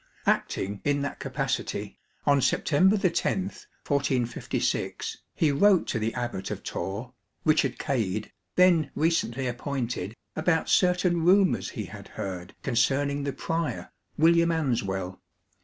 Acting in that capacity, on September 10, 1456, he wrote to the Abbot of Torre, Richard Cade, then recently appointed, about certain rumours he had heard concerning the prior, William Answell.